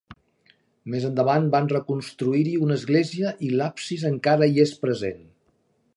Més endavant van reconstruir-hi una església, i l'absis encara hi és present.